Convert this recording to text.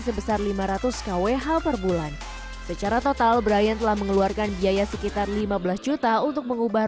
sebesar lima ratus kwh per bulan secara total brian telah mengeluarkan biaya sekitar lima belas juta untuk mengubah